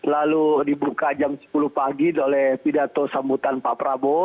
lalu dibuka jam sepuluh pagi oleh pidato sambutan pak prabowo